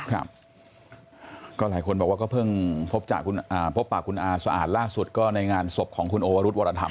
ครับก็หลายคนบอกว่าก็เพิ่งพบปากคุณอาสะอาดล่าสุดก็ในงานศพของคุณโอวรุธวรธรรม